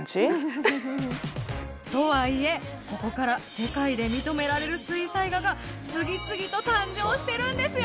とはいえここから世界で認められる水彩画が次々と誕生してるんですよ